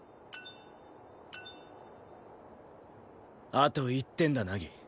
あと１点だ凪。